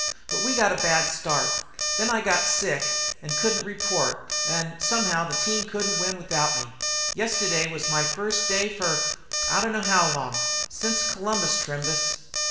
But we got a bad start. There I got sick an' couldn't report, an' somehow the team can't win without me. Yestiddy was my first day fer I don't know how long, since Columbus trimmed us."